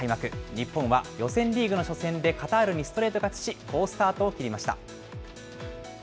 日本は予選リーグの初戦でカタールにストレート勝ちし、好スタートを切りました。